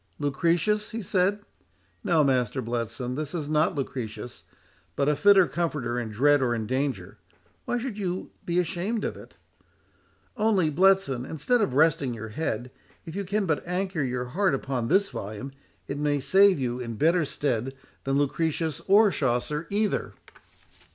"Lucretius?" he said; "no, Master Bletson, this is not Lucretius, but a fitter comforter in dread or in danger—Why should you be ashamed of it? Only, Bletson, instead of resting your head, if you can but anchor your heart upon this volume, it may serve you in better stead than Lucretius or Chaucer either."